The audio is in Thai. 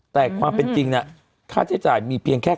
แต่ความเป็นจริงมีเพียงแค่